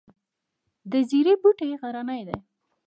د زیرې بوټی غرنی دی